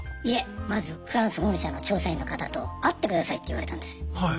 いえまずフランス本社の調査員の方と会ってくださいって言われたんです。